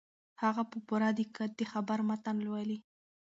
هغه په پوره دقت د خبر متن لولي.